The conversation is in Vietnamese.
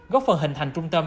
góp phần hình thành trung tâm